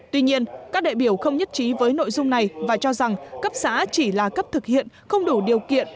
tuy nhiên các đại biểu không nhất trí với nội dung này và cho rằng cấp xã chỉ là cấp thực hiện không đủ điều kiện